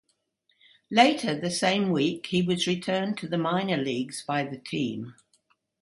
Later the same week, he was returned to the minor leagues by the team.